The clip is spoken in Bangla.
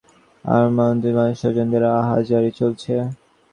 সরেজমিনে গতকাল সোমবার সকালে দেখা গেছে, গ্রামের বাড়ি আন্ধারমানিকে স্বজনদের আহাজারি চলছে।